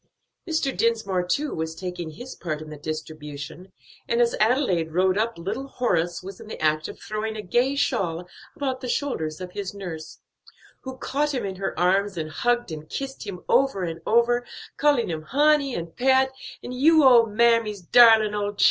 Mr. Dinsmore too was taking his part in the distribution, and as Adelaide rode up little Horace was in the act of throwing a gay shawl about the shoulders of his nurse, who caught him in her arms and hugged and kissed him over and over, calling him "honey," and "pet," and "you ole mammy's darlin' ole chil'!"